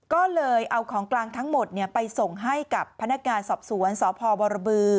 ก็เลยเอาของกลางทั้งหมดไปส่งให้กับพนักงานสอบสวนสพบรบือ